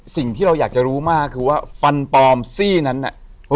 สิ่งที่เราอยากจะรู้มากคือว่าฟันปลอมซี่นั้นน่ะ